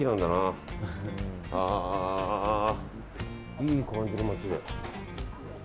いい感じの街で。